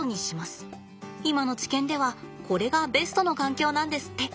今の知見ではこれがベストの環境なんですって。